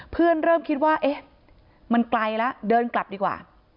เพื่อนเริ่มคิดว่าเอ๊ะมันไกลแล้วเดินกลับดีกว่า